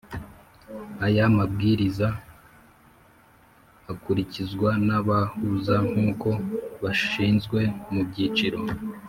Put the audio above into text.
Aya mabwiriza akurikizwa n’abahuza nk’uko bashyizwe mu byiciro